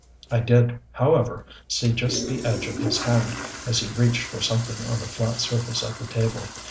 I did, however, see just the edge of his hand as he reached for something on the flat surface of the table.